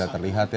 sudah terlihat ya